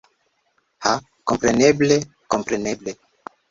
Ha kompreneble kompreneble